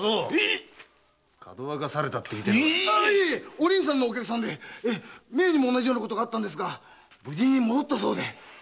お凛さんのお客さんで前にも同じようなことがあったんですが無事に戻ったそうで。